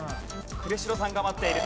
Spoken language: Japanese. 呉城さんが待っている。